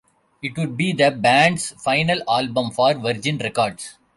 It would be the band's final album for Virgin Records.